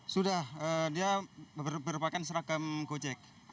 sudah dia berpakaian seragam gojek